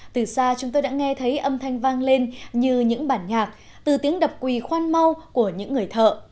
từ xa chúng tôi đã nghe thấy âm thanh vang lên như những bản nhạc từ tiếng đập quỳ khoan mau của những người thợ